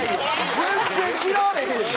全然嫌われへんよ！